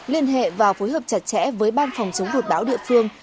liên hệ và phối hợp chặt chẽ với ban phòng chống vụt bão địa phương